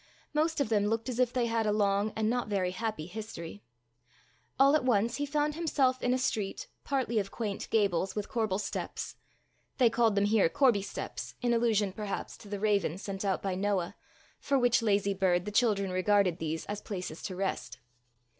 Most of them looked as if they had a long and not very happy history. All at once he found himself in a street, partly of quaint gables with corbel steps; they called them here corbie steps, in allusion, perhaps, to the raven sent out by Noah, for which lazy bird the children regarded these as places to rest.